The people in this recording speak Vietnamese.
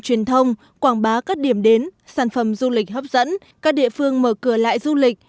truyền thông quảng bá các điểm đến sản phẩm du lịch hấp dẫn các địa phương mở cửa lại du lịch